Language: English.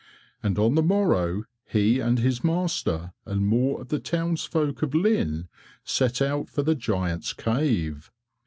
And on the morrow he and his master and more of the towns folk of Lynn set out for the giant's cave.